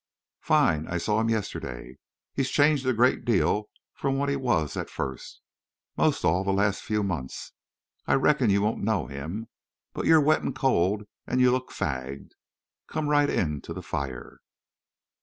"Fine. I saw him yesterday. He's changed a great deal from what he was at first. Most all the last few months. I reckon you won't know him.... But you're wet an' cold an' you look fagged. Come right in to the fire."